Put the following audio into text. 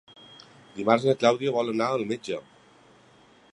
Dimarts na Clàudia vol anar al metge.